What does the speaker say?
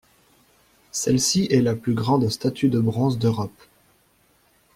Celle-ci est la plus grande statue de bronze d'Europe.